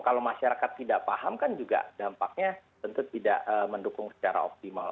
kalau masyarakat tidak paham kan juga dampaknya tentu tidak mendukung secara optimal